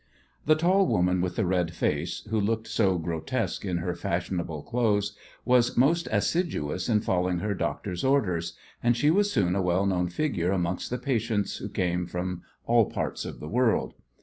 The tall woman with the red face, who looked so grotesque in her fashionable clothes, was most assiduous in following her doctor's orders, and she was soon a well known figure amongst the patients, who came from all parts of the world.